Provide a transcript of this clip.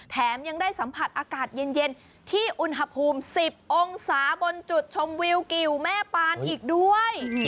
แถมยังได้สัมผัสอากาศเย็นที่อุณหภูมิ๑๐องศาบนจุดชมวิวกิวแม่ปานอีกด้วย